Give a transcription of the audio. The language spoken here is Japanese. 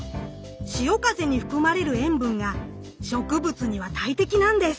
潮風に含まれる塩分が植物には大敵なんです！